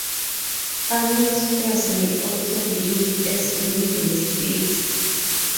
Framing squares may also be used as winding sticks.